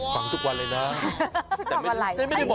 ฟังทุกวันเลยนะแต่ไม่ได้บอกใครนะไม่ได้บอก